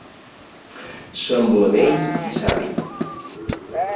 Sembla vell i savi.